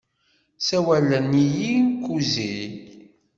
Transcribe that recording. Ssawalen-iyi Kuzey.